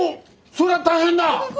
そりゃ大変だ！